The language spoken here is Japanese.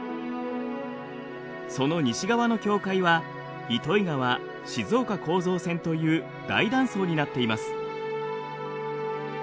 その西側の境界は糸魚川・静岡構造線という大断層になっています。